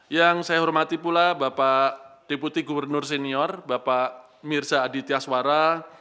yang saya hormati pula bapak deputi gubernur senior bapak mirza aditya suara